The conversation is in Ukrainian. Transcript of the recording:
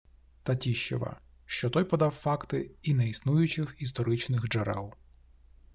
Татіщева, що той подав факти і «неіснуючих історичних джерел»